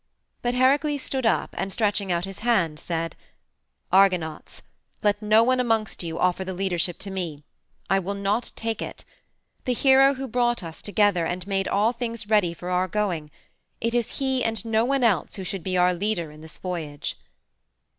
But Heracles stood up, and, stretching out his hand, said: "Argonauts! Let no one amongst you offer the leadership to me. I will not take it. The hero who brought us together and made all things ready for our going it is he and no one else who should be our leader in this voyage."